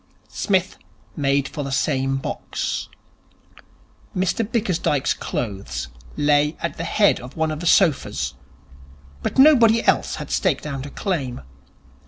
Psmith made for the same box. Mr Bickersdyke's clothes lay at the head of one of the sofas, but nobody else had staked out a claim.